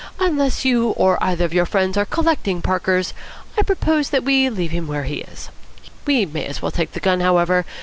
Unless you or either of your friends are collecting Parkers, I propose that we leave him where he is. We may as well take the gun, however.